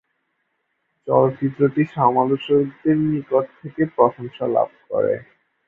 চলচ্চিত্রটি সমালোচকদের নিকট থেকে প্রশংসা লাভ করে।